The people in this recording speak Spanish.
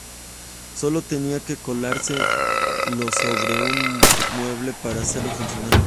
Sólo tenía que colocarse lo sobre un mueble para hacerlo funcionar.